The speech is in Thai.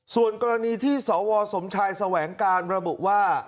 ส่วนกรณีที่สวสมชายแสวงการระบุว่า